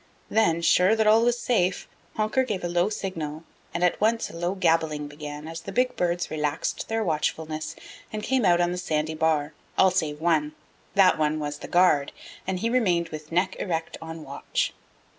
Then, sure that all was safe, Honker gave a low signal and at once a low gabbling began as the big birds relaxed their watchfulness and came out on the sandy bar, all save one. That one was the guard, and he remained with neck erect on watch.